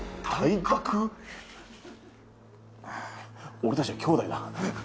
俺たちは兄弟だ。